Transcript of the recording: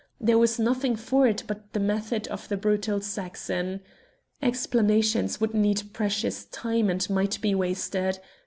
There was nothing for it but the method of the brutal Saxon. Explanations would need precious time and might be wasted.